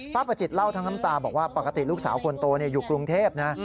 ประจิตเล่าทั้งน้ำตาบอกว่าปกติลูกสาวคนโตอยู่กรุงเทพนะ